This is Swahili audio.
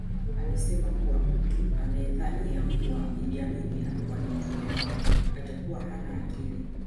Alisema kuwa mtu anayedhania kuwa Idi Amin alikuwa ni mtu mwema atakuwa hana akili